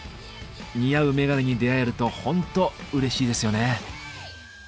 似合うメガネに出会えるとホントうれしいですよね。